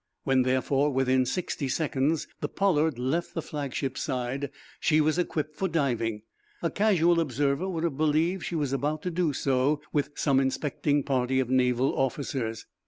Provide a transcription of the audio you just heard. When, therefore, within sixty seconds, the "Pollard" left the flagship's side, she was equipped for diving. A casual observer would have believed she was about to do so with some inspecting party of naval officers.